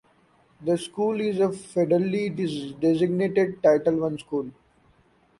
The school is a federally designated Title One school.